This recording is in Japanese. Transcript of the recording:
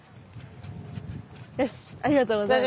よしありがとうございます。